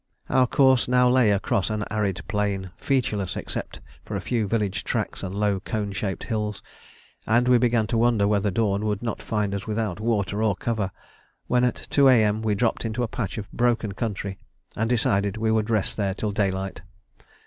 Our course now lay across an arid plain, featureless except for a few village tracks and low cone shaped hills; and we began to wonder whether dawn would not find us without water or cover, when at 2 A.M. we dropped into a patch of broken country, and decided we would rest there till daylight.